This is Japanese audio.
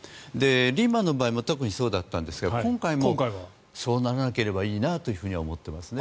リーマンの場合も特にそうだったんですが今回もそうならなければいいなと思っていますね。